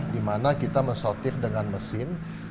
dimana kita meng sortir dengan mesin